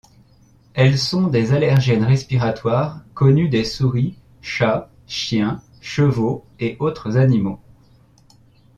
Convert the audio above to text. Elles sont des allergènes respiratoires connus des souris, chats, chiens, chevaux et autres animaux.